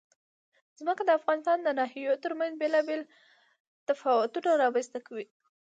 ځمکه د افغانستان د ناحیو ترمنځ بېلابېل تفاوتونه رامنځ ته کوي.